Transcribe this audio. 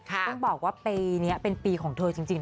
ต้องบอกว่าปีนี้เป็นปีของเธอจริง